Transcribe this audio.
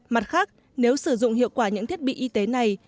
mặt khác nếu sử dụng hiệu quả những thiết bị y tế này